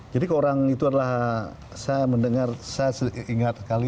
jadi orang itu adalah saya mendengar saya ingat sekali